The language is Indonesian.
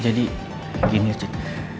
jadi gini tuh cit